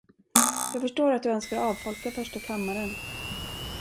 Jag förstår att du önskar avfolka första kammaren.